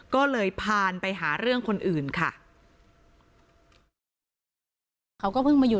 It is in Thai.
ก็เลยพาไปหาเรื่องคนอื่นค่ะ